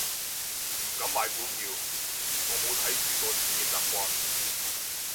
唔敢買股票，我冇睇住個市嘅習慣